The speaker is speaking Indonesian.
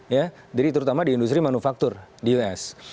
jadi terutama di industri manufaktur di us